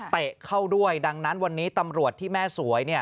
เข้าด้วยดังนั้นวันนี้ตำรวจที่แม่สวย